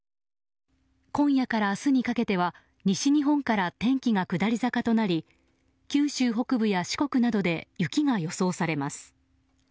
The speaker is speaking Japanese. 今夜から明日にかけては西日本から天気が下り坂となり九州北部や四国などで雪が予想されます。